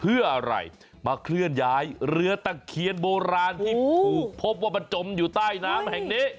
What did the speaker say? เพื่ออะไรมาเคลื่อนย้ายเรือตะเคียนโบราณที่ถูกพบว่ามันจมอยู่ใต้น้ำแห่งนี้